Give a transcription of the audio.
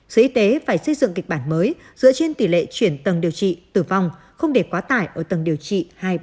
sở y tế phải xây dựng kịch bản mới dựa trên tỷ lệ chuyển tầng điều trị tử vong không để quá tải ở tầng điều trị hai ba